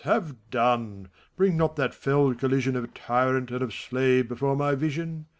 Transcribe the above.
have done I Bring not that fell collision Of tyrant and of slave before my vision